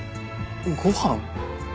ご飯？